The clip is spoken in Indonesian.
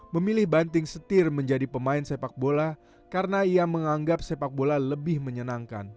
memilih banting setir menjadi pemain sepak bola karena ia menganggap sepak bola lebih menyenangkan